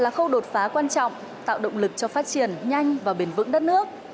phá quan trọng tạo động lực cho phát triển nhanh và bền vững đất nước